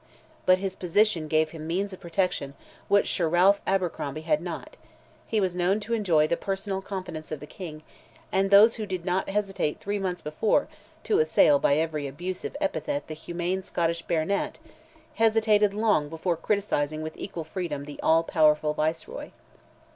But his position gave him means of protection which Sir Ralph Abercromby had not; he was known to enjoy the personal confidence of the King; and those who did not hesitate three months before to assail by every abusive epithet the humane Scottish Baronet, hesitated long before criticising with equal freedom the all powerful Viceroy.